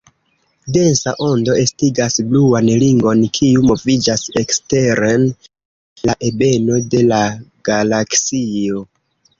Densa ondo estigas bluan ringon, kiu moviĝas eksteren en la ebeno de la galaksio.